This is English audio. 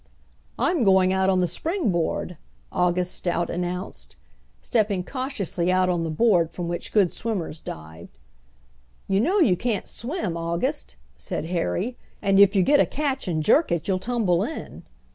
"I'm going out on the springboard," August Stout announced, stepping cautiously out on the board from which good swimmers dived. "You know you can't swim, August," said Harry, "and if you get a catch and jerk it you'll tumble in."